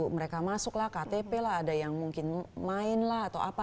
mereka masuk lah ktp lah ada yang mungkin main lah atau apa